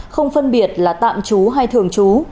không phân biệt là tạm chú hay thường chú